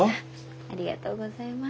ありがとうございます。